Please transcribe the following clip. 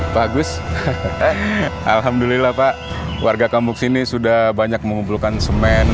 bagus alhamdulillah pak warga kambuk sini sudah banyak mengumpulkan semen